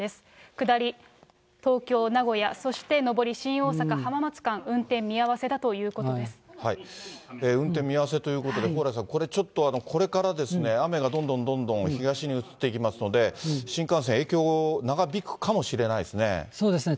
下り、東京・名古屋、そして上り、新大阪・浜松間、運転見合わせだとい運転見合わせということで、蓬莱さん、これちょっと、これからですね、雨がどんどんどんどん、東に移っていきますので、新幹線、影響、そうですね。